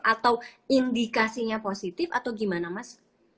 atau indikasinya positif atau gimana mas